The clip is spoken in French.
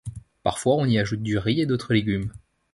Parfois on y ajoute du riz et d'autres légumes.